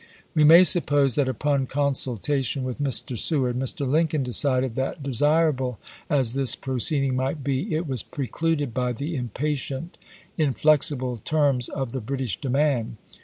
We may suppose that upon consultation with Mr. Seward, Mr. Lincoiu decided that, desirable as this proceeding might be, it was precluded by the impatient, inflexible terms of the British demand.